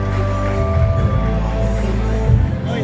สโลแมคริปราบาล